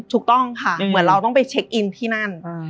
ถูกต้องค่ะเหมือนเราต้องไปเช็คอินที่นั่น